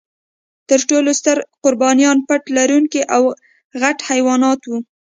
تر ټولو ستر قربانیان پت لرونکي او غټ حیوانات و.